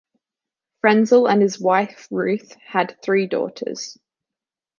Frenzel and his wife Ruth had three daughters.